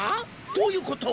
どういうこと？